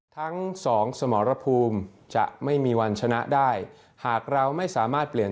ทั้งสองสมรภูมิจะไม่มีวันชนะได้หากเราไม่สามารถเปลี่ยน